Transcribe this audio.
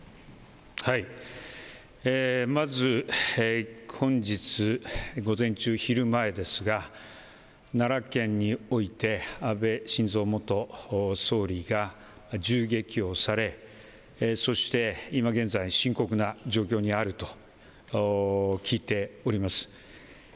はい、まず本日午前中、昼前ですが奈良県において安倍晋三元総理が銃撃をされそして今現在深刻な状況にあると聞いております。